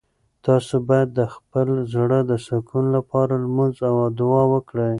تاسو باید د خپل زړه د سکون لپاره لمونځ او دعا وکړئ.